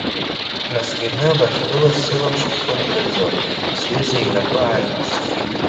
Бнаскьаны бахьгылаз сылаԥш бхымгаӡо, сҩыза инапы ааимсхит.